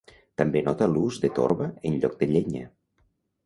També nota l'ús de torba en lloc de llenya.